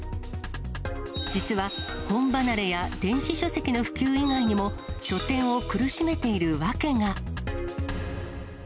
実は、本離れや電子書籍の普及以外にも、書店を苦しめている訳が。